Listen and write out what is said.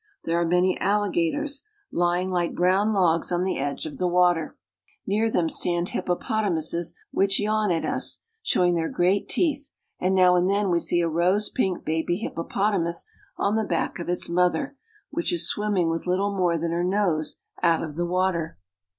There are many alligators lying like I « 232 1^ ^^H brown logs on the edge of the water; near them stand ^^H hippopotamuses which yawn at us, showing their great ^^H teeth, and now and then we see a rose pink baby hippo ^^^1 potamus on the back of its mother, which is swimming ^^H with little more than her nose out of the water.